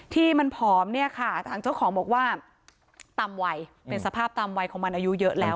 ที่มันผอมเนี่ยค่ะทางเจ้าของบอกว่าตามวัยเป็นสภาพตามวัยของมันอายุเยอะแล้ว